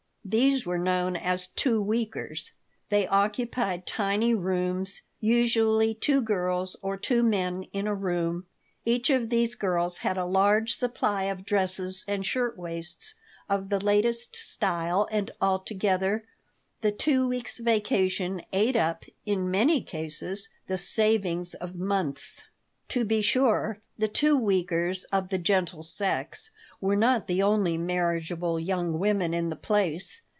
These were known as "two weekers." They occupied tiny rooms, usually two girls or two men in a room. Each of these girls had a large supply of dresses and shirt waists of the latest style, and altogether the two weeks' vacation ate up, in many cases, the savings of months To be sure, the "two weekers" of the gentle sex were not the only marriageable young women in the place.